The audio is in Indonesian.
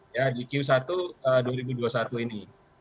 ya di q satu dua ribu dua puluh satu ini